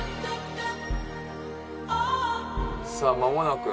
さあ間もなく。